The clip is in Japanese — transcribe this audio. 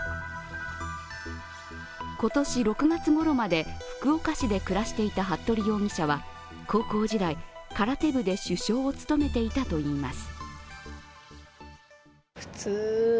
今年６月ごろまで福岡市で暮らしていた服部容疑者は高校時代、空手部で主将を務めていたといいます。